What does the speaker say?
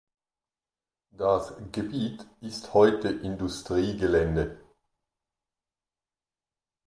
Das Gebiet ist heute Industriegelände.